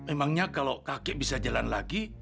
emangnya kalau kakek bisa jalan lagi